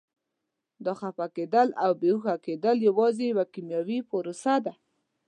دا خفه کېدل او بې هوښه کېدل یوازې یوه کیمیاوي پروسه ده.